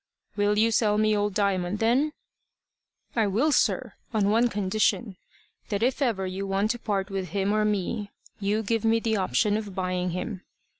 "Will you sell me old Diamond, then?" "I will, sir, on one condition that if ever you want to part with him or me, you give me the option of buying him.